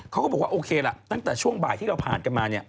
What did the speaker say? เขาก็บอกว่าโอเคล่ะตั้งแต่ช่วงบ่ายที่เราผ่านกันมาเนี่ย